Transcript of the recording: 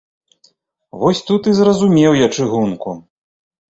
Вось тут і зразумеў я чыгунку.